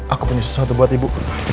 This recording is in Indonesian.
aku punya sesuatu buat ibu